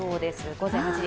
午前１時。